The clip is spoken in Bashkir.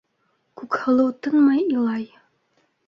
Күкһылыу тынмай илай.